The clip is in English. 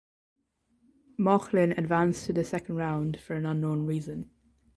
Mauchline advanced to the second round for an unknown reason.